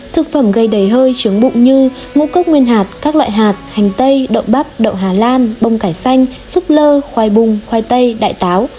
thực phẩm gây đầy hơi trướng bụng như ngô cốc nguyên hạt các loại hạt hành tây đậu bắp đậu hà lan bông cải xanh xúc lơ khoai bùng khoai tây đại táo